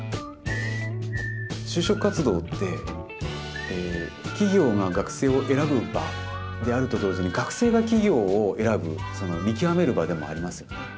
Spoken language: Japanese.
就職活動って企業が学生を選ぶ場であると同時に学生が企業を選ぶ見極める場でもありますよね。